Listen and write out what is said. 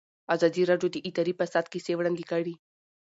ازادي راډیو د اداري فساد کیسې وړاندې کړي.